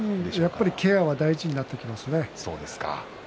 やっぱりケアは大事になってきます。